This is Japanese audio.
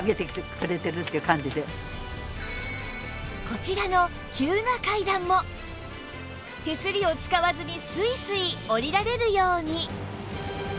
こちらの急な階段も手すりを使わずにスイスイ下りられるように